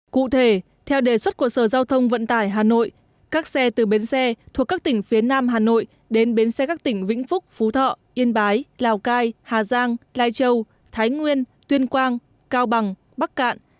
cụ thể theo đề xuất của sở giao thông vận tải hà nội các xe từ bến xe thuộc các tỉnh phía nam hà nội đến bến xe các tỉnh vĩnh phúc phú thọ yên bái lào cai hà giang lai châu thái nguyên tuyên quang cao bằng bắc cạn